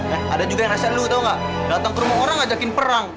eh ada juga yang resek lu tau gak datang ke rumah orang ajakin perang